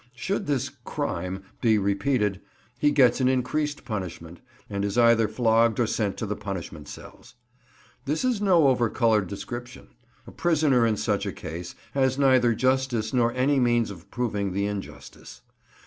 Should this "crime" be repeated, he gets an increased punishment, and is either flogged or sent to the punishment cells. This is no overcoloured description. A prisoner in such a case has neither justice nor any means of proving the injustice.